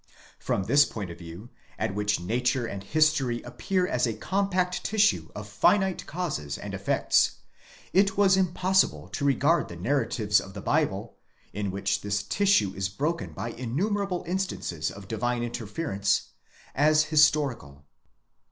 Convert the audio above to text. From this point of view, at which nature and history appear as a compact tissue of finite causes and effects, it was impossible to regard the narratives of the Bible, in which this tissue is broken by innumerable instances of divine interference, as historical.